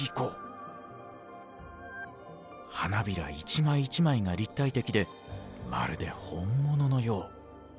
花びら一枚一枚が立体的でまるで本物のよう。